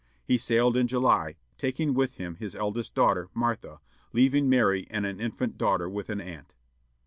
He sailed in July, taking with him his eldest child, Martha, leaving Mary and an infant daughter with an aunt.